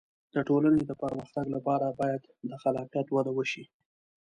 د ټولنې د پرمختګ لپاره باید د خلاقیت وده وشي.